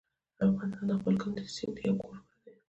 افغانستان د خپل کندز سیند یو کوربه دی.